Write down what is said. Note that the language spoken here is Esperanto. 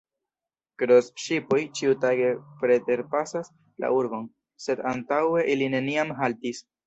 Kroz-ŝipoj ĉiutage preterpasas la urbon, sed antaŭe ili neniam haltis.